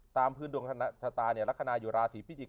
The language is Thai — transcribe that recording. ตามพื้นดวงธัตตาร์เนี้ยลักษณะจุฬาศีพิจิก